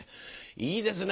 「いいですね